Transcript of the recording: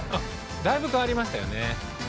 だいぶ変わりましたよね。